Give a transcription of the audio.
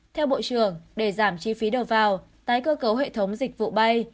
theo bộ trưởng để giảm chi phí đầu vào tái cơ cấu hệ thống dịch vụ bay